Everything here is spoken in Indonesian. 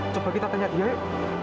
coba kita tanya dia yuk